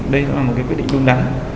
đây là một quyết định đúng đắn